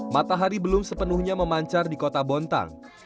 matahari belum sepenuhnya memancar di kota bontang